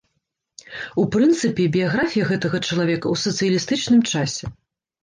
У прынцыпе, біяграфія гэтага чалавека ў сацыялістычным часе.